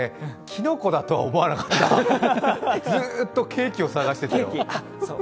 きのこだとは思わなかった、ずっとケーキを探してたよ。